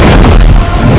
jangan menghasut rakyatmu